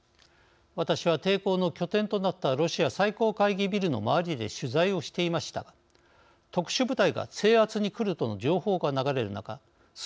私は抵抗の拠点となったロシア最高会議ビルの周りで取材をしていましたが特殊部隊が制圧に来るとの情報が流れる中数